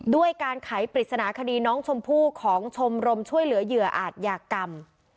ด้วยการไขปริศนาคดีน้องชมพู่ของชมรมช่วยเหลือเหยื่ออาจยากรรม